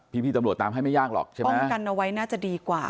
พี่ตำรวจตามให้ไม่ยากหรอกใช่ไหมป้องกันเอาไว้น่าจะดีกว่า